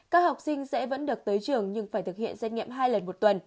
các học sinh sẽ vẫn được tới trường nhưng phải thực hiện xét nghiệm hai lần một tuần